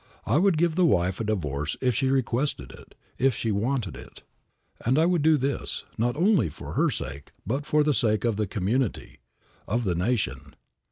I would give the wife a divorce if she requested it, if she wanted it. And I would do this, not only for her sake, but for the sake of the community, of the nation.